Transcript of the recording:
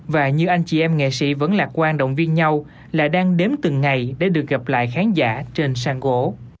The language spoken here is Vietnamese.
và như anh chị em nghệ sĩ vẫn lạc quan động viên nhau là đang đếm từng ngày để được gặp lại khán giả trên sàn cổ